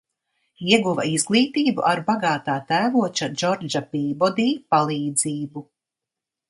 Ieguva izglītību ar bagātā tēvoča Džordža Pībodī palīdzību.